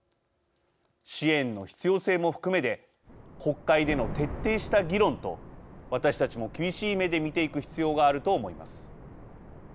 支援の必要性も含めて国会での徹底した議論と私たちも厳しい目で見ていく必要があると思います。